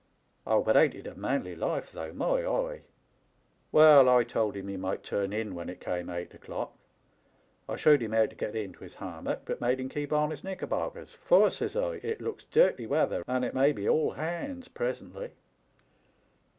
Oh, but ain't it a manly life, though ! My eye !'" Well, I told him he might turn in when it came eight o'clock. I showed him how to get into his ham mock, but made him keep on his knickerbockers, ' For,' says I, 'it looks dirty weather, and it may be "all hands " presently.'